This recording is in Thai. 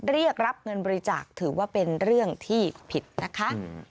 เรียกรับเงินบริจาคถือว่าเป็นเรื่องที่ผิดนะคะ